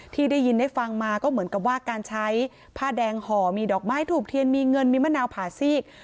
ที่ได้ยินได้ฟังมาก็เหมือนกับว่าการใช้ผ้าแดงห่อมีดอกไม้ถูกเทียนมีเงินมีมะนาวผ่าซีก